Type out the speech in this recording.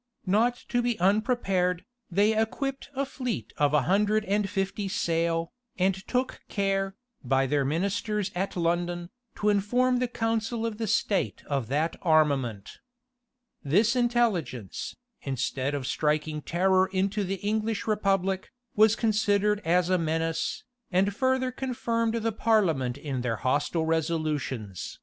Not to be unprepared, they equipped a fleet of a hundred and fifty sail, and took care, by their ministers at London, to inform the council of the state of that armament. This intelligence, instead of striking terror into the English republic, was considered as a menace, and further confirmed the parliament in their hostile resolutions.